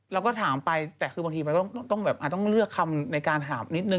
เราก็ถามไปแต่บางทีเราก็ต้องเลือกคำในการถามนิดหนึ่ง